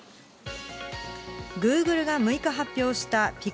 グーグルが６日発表したＰｉｘｅｌ